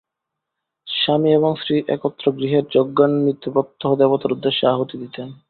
স্বামী এবং স্ত্রী একত্র গৃহের যজ্ঞাগ্নিতে প্রত্যহ দেবতার উদ্দেশ্যে আহুতি দিতেন।